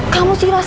kamu sih ras